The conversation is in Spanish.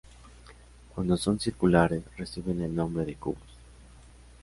Cuando son circulares reciben el nombre de "cubos".